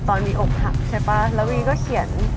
ตอนวิวอกหักใช่ปะแล้ววิวก็เขียน